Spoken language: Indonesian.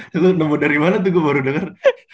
lalu kamu dari mana tuh baru denger